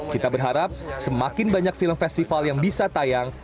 kita berharap semakin banyak film festival yang bisa tayang